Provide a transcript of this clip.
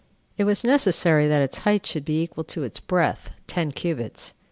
It was necessary that its height should be equal to its breadth [ten cubits].